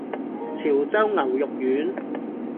潮州牛肉丸